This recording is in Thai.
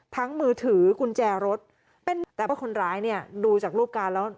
มือถือกุญแจรถแต่ว่าคนร้ายเนี่ยดูจากรูปการณ์แล้ว